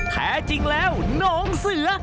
แท้จริงแล้วน้องเสือ